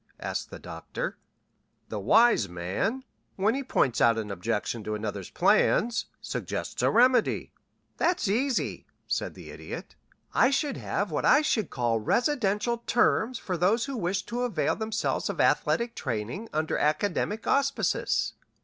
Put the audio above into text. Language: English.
asked the Doctor. "The wise man, when he points out an objection to another's plans, suggests a remedy." "That's easy," said the Idiot. "I should have what I should call residential terms for those who wished to avail themselves of athletic training under academic auspices.